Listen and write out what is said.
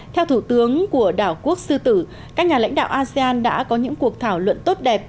theo thủ tướng của đảo quốc sư tử các nhà lãnh đạo asean đã có những cuộc thảo luận tốt đẹp